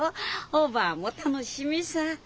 おばぁも楽しみさぁ。